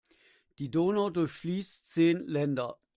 Die Donau durchfließt zehn Länder.